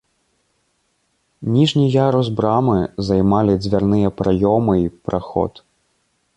Ніжні ярус брамы займалі дзвярныя праёмы і праход.